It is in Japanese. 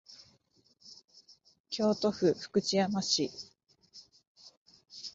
京都府福知山市